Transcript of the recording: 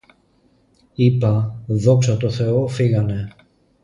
Είπα: "Δόξα τω Θεώ, φύγανε"